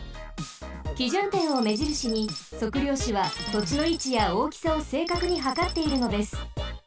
基準点をめじるしに測量士はとちのいちやおおきさをせいかくにはかっているのです。